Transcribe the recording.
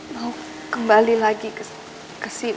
mau kembali lagi ke sini